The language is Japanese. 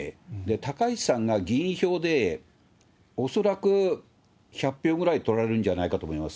高市さんが議員票で恐らく１００票ぐらい取られるんじゃないかなと思います。